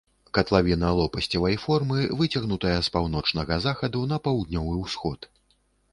Катлавіна лопасцевай формы, выцягнутая з паўночнага захаду на паўднёвы ўсход.